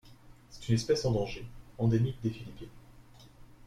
C'est une espèce en danger, endémique des Philippines.